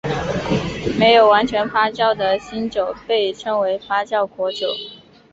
没有完全发酵的新酒被称为发酵果酒。